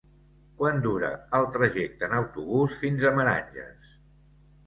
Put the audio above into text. Quant dura el trajecte en autobús fins a Meranges?